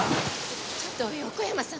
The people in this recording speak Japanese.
ちょっと横山さん！